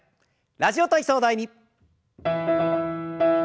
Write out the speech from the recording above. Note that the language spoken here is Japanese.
「ラジオ体操第２」。